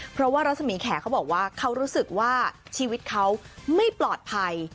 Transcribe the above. เพราะว่ารัศมีแขเขาบอกว่าเขารู้สึกว่าชีวิตเขาไม่ปลอดภัย